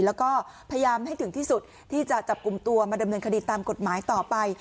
แล้วก็พยายามให้ถึงที่สุดที่จะจับกลุ่มตัวมาดำเนินคดีตามกฎหมายต่อไป